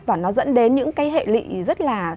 và nó dẫn đến những cái hệ lị rất là